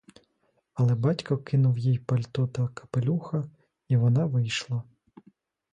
Але батько кинув їй пальто та капелюха, і вона вийшла.